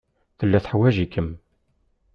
Tella teḥwaj-ikem.